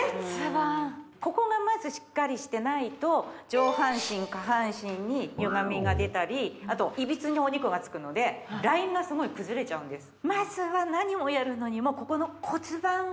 ここがまずしっかりしてないと上半身下半身にゆがみが出たりあといびつにお肉がつくのでラインがすごい崩れちゃうんです